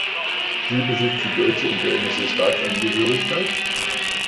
Sie besitzt die deutsche und dänische Staatsangehörigkeit.